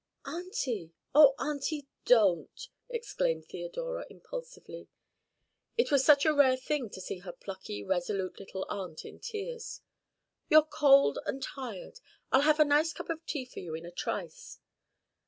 "Auntie oh, Auntie, don't!" exclaimed Theodora impulsively. It was such a rare thing to see her plucky, resolute little aunt in tears. "You're cold and tired I'll have a nice cup of tea for you in a trice."